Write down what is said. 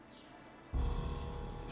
bapak menderita gagal ginjal